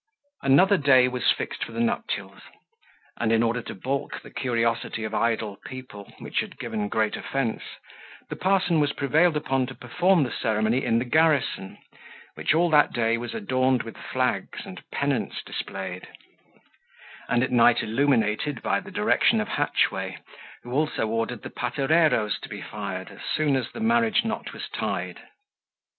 Another day was fixed for the nuptials; and in order to balk the curiosity of idle people, which had given great offence, the parson was prevailed upon to perform the ceremony in the garrison, which all that day was adorned with flags and pendants displayed; and at night illuminated, by the direction of Hatchway, who also ordered the patereroes to be fired, as soon as the marriage knot was tied.